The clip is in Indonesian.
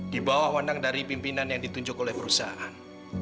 di bawah wanang dari pimpinan yang ditunjuk oleh perusahaan